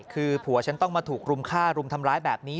คือผัวฉันต้องมาถูกรุมฆ่ารุมทำร้ายแบบนี้